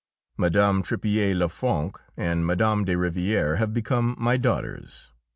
Mme. Tripier Le Franc and Mme. de Rivière have become my daughters.